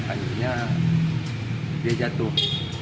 akhirnya dia jatuh